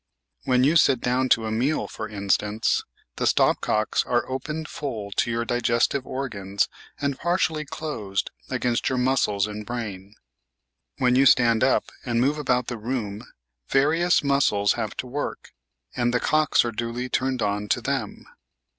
When you sit down to a meal, for instance, the stopcocks are opened full to your digestive organs and partially closed against your muscles and brain. When you stand up and move about the room various muscles have to work, and the cocks are duly turned on to them.